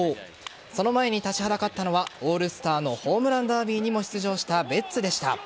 その間に立ちはだかったのはオールスターのホームランダービーにも出場したベッツでした。